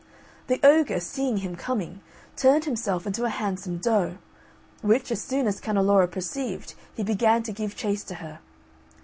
The ogre, seeing him coming, turned himself into a handsome doe; which, as soon as Canneloro perceived he began to give chase to her.